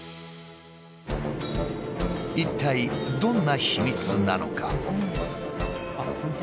一体どんな秘密なのか。